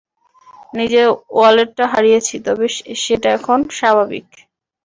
নিজের ওয়ালেটটা হারিয়েছি, তবে সেটা এখন স্বাভাবিক।